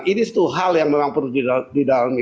ini satu hal yang memang perlu didalami